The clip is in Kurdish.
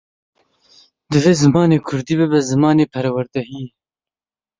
Divê zimanê Kurdî bibe zimanê perwerdehiyê.